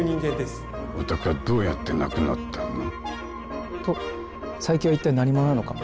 お宅はどうやって亡くなったの？と佐伯は一体何者なのか。